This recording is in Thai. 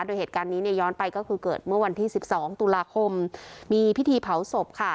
โดยเหตุการณ์นี้เนี่ยย้อนไปก็คือเกิดเมื่อวันที่สิบสองตุลาคมมีพิธีเผาศพค่ะ